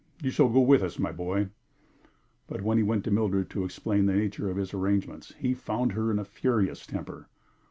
You shall go with us, my boy." But when he went to Mildred, to explain the nature of his arrangements, he found her in a furious temper.